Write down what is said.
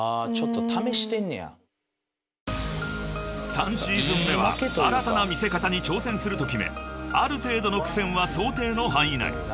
［３シーズン目は新たな魅せ方に挑戦すると決めある程度の苦戦は想定の範囲内］